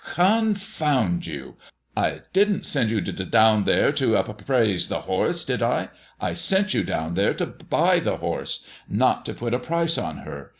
"Confound you! I didn't send you down there to ap appraise the horse, did I? I sent you down there to buy the horse, not to put a price on her.